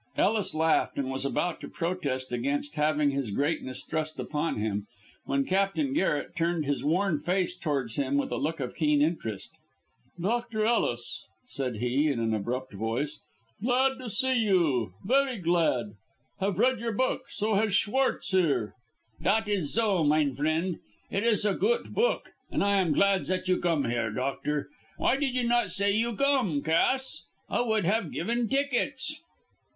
'" Ellis laughed, and was about to protest against having this greatness thrust upon him, when Captain Garret turned his worn face towards him with a look of keen interest. "Dr. Ellis," said he, in an abrupt voice, "glad to see you, very glad. Have read your book, so has Schwartz here." "Dat is zo, mine frend. It is a goot book, and I am glad zat you gome here, doctor. Why did you not zay you gome, Cass? I would haf given tickets."